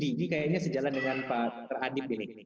ini kayaknya sejalan dengan pak dr adit